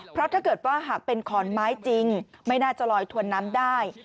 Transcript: เพราะถ้าเกิดว่าหากเป็นขอนไม้จริงไม่น่าจะลอยถวนน้ำได้